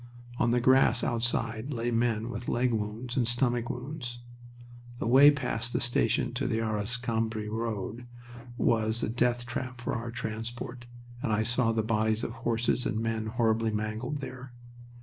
On the grass outside lay men with leg wounds and stomach wounds. The way past the station to the Arras Cambrai road was a death trap for our transport and I saw the bodies of horses and men horribly mangled there.